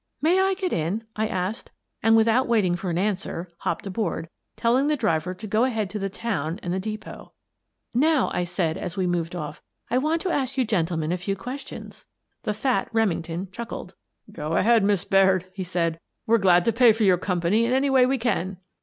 "May I get in?" I asked, and, without waiting for an answer, hopped aboard, telling the driver to go ahead to the town and the depot. " Now," I said, as we moved off, " I want to ask you gentlemen a few questions." The fat Remington chuckled. " Go ahead, Miss Baird," he said. " We're glad to pay for your company in any way we can."